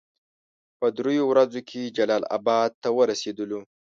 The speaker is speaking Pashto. په دریو ورځو کې جلال اباد ته ورسېدلو.